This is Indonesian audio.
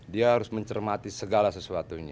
dia harus mencermati segala sesuatunya